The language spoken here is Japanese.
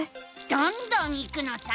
どんどんいくのさ！